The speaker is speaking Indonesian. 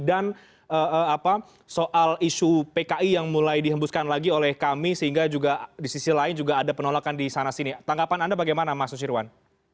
dan soal isu pki yang mulai dihembuskan lagi oleh kami sehingga juga di sisi lain juga ada penolakan di sana sini tanggapan anda bagaimana mas nusyirwan